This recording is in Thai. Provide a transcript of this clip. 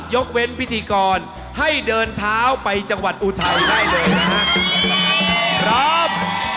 ยกเว้นพิธีกรให้เดินเท้าไปจังหวัดอุทัยได้เลยนะครับ